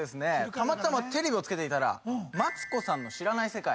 たまたまテレビをつけていたらマツコさんの「知らない世界」